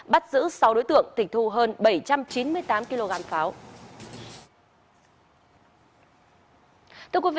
bắt giữ sáu đối tượng tịch thu hơn bảy trăm chín mươi tám kg pháo